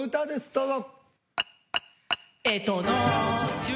どうぞ。